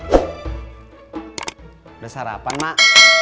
udah sarapan mak